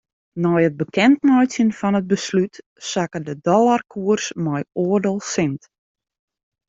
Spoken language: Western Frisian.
Nei it bekendmeitsjen fan it beslút sakke de dollarkoers mei oardel sint.